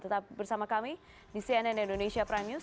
tetap bersama kami di cnn indonesia prime news